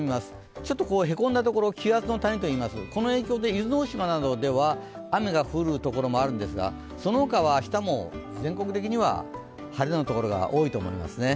ちょっとへこんだところ、気圧の谷といいます、この影響で伊豆大島では雨が降るところもあるんですが、その他は明日も全国的には晴れのところが多いと思いますね。